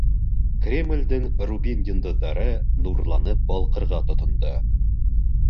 Кремлдең рубин йондоҙҙары нурланып балҡырға тотондо.